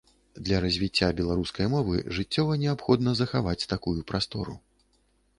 Для развіцця беларускай мовы жыццёва неабходна захаваць такую прастору.